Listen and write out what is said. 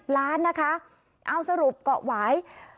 ๓๕๐ล้านเอาสรุปเกาะหวาย